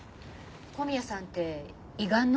小宮さんって胃がんの？